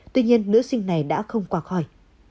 tuy nhiên nữ sinh này đã không qua khỏi